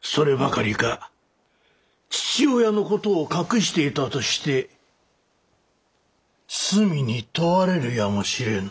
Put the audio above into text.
そればかりか父親の事を隠していたとして罪に問われるやもしれぬ。